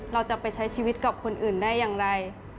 เราจะไปใช้ชีวิตกับคนอื่นได้อย่างไร